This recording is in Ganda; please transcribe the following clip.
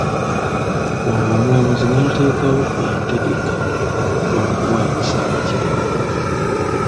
Olwo omulamuzi n'atekawo entegeka y'okuwanyisa abakyala baabwe.